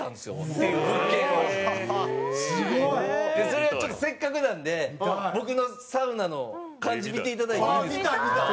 それちょっとせっかくなんで僕のサウナの感じ見ていただいてもいいですか？